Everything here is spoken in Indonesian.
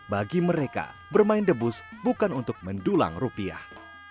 bagi mereka bermain debus bukan untuk mendulang rupiah